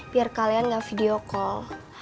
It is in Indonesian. biar kalian gak video call